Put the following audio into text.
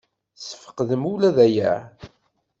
Tesfeqdem ula d aya?